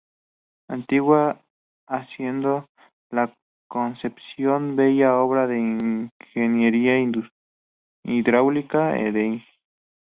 Antigua Hacienda La Concepción, bella obra de ingeniería hidráulica, del Ing.